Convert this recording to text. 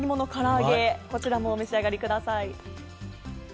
砂肝の唐揚げ、こちらもお召し上がりください。